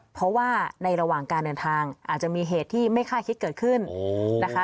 เพราะว่าในระหว่างการเดินทางอาจจะมีเหตุที่ไม่คาดคิดเกิดขึ้นนะคะ